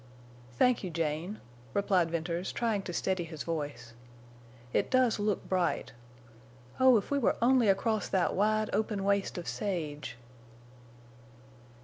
"Thank you, Jane," replied Venters, trying to steady his voice. "It does look bright. Oh, if we were only across that wide, open waste of sage!"